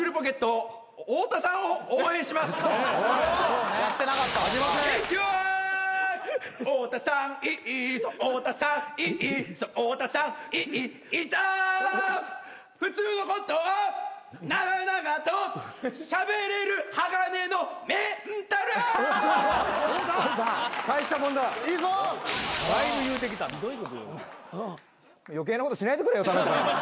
余計なことしないでくれよ頼むから。